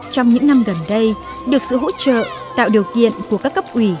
trong những năm gần đây được sự hỗ trợ tạo điều kiện của các cấp ủy